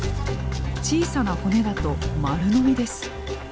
小さな骨だと丸飲みです。